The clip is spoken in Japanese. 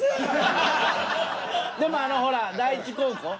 でもあのほら第一高校？